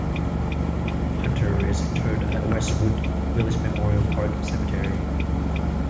Hunter is interred at Westwood Village Memorial Park Cemetery.